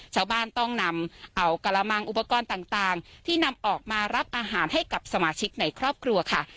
ชาวบ้านต้องนำเอากระมังอุปกรณ์ต่างที่นำออกมารับอาหารให้กับสมาชิกในครอบครัวค่ะ